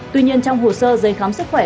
tuy nhiên trong hồ sơ dây khám sức khỏe